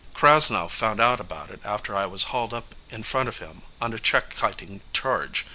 Krasnow found out about it after I was hauled up in front of him on a check kiting charge.